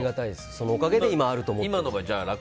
そのおかげで今があると思ってるので。